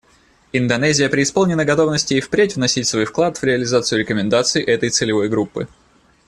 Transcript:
Индонезия преисполнена готовности и впредь вносить свой вклад в реализацию рекомендаций этой целевой группы.